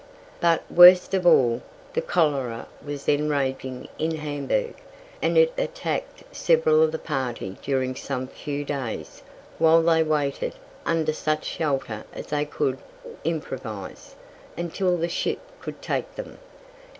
But, worst of all, the cholera was then raging in Hamburg, and it attacked several of the party during some few days, while they waited, under such shelter as they could improvise, until the ship could take them.